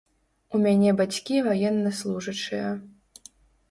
У мяне бацькі ваеннаслужачыя.